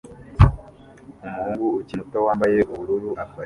Umuhungu ukiri muto wambaye ubururu afashe